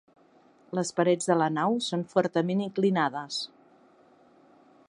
Les parets de la nau són fortament inclinades.